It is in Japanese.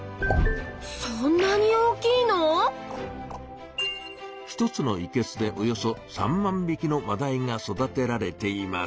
そんなに大きいの⁉１つのいけすでおよそ３万びきのマダイが育てられています。